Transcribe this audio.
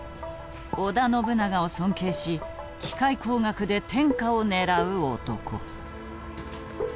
織田信長を尊敬し機械工学で天下を狙う男。